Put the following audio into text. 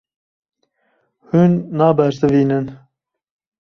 Hûn nabersivînin.